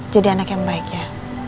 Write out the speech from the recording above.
jadi anak yang baik ya